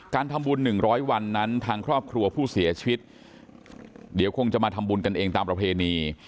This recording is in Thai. การทำบุญ๑๐๐วันนั้นทางครอบครัวผู้เสียชีวิตเดี๋ยวคงจะมาทำบุญกันเองตามประเพณี